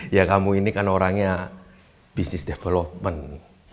ya kamu ini kan orangnya business development